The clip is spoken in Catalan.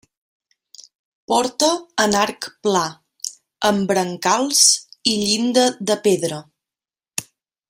Porta en arc pla, amb brancals i llinda de pedra.